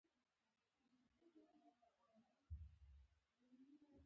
بد همسایه د چا ژوند ور تريخ کوي.